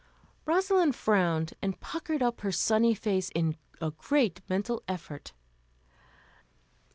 Rosalind frowned and puckered up her sunny face in a great mental effort.